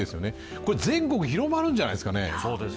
これ、全国に広まるんじゃないですかね。